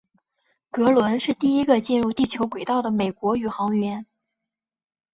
格伦是第一个进入地球轨道的美国宇航员。